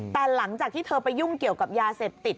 แต่หลังจากที่เธอไปยุ่งเกี่ยวกับยาเสพติด